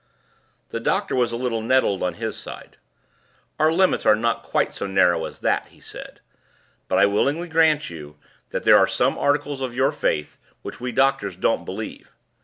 The doctor was a little nettled on his side. "Our limits are not quite so narrow as that," he said; "but I willingly grant you that there are some articles of your faith in which we doctors don't believe.